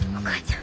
ん？